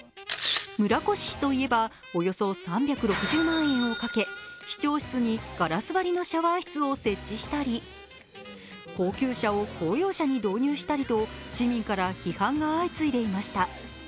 村越氏といえば、およそ３６０万円をかけ市長室にガラス張りのシャワー室を設置したり高級車を公用車に導入したりと、市民から批判が相次いでいました。